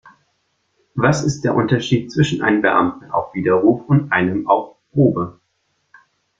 Was ist der Unterschied zwischen einem Beamten auf Widerruf und einem auf Probe?